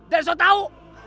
dan sudah tahu